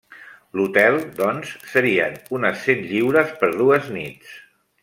L'hotel, doncs, serien unes cent lliures per dues nits.